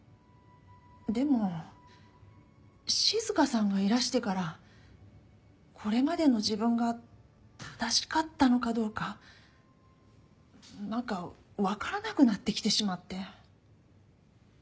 でも静さんがいらしてからこれまでの自分が正しかったのかどうかなんかわからなくなってきてしまって。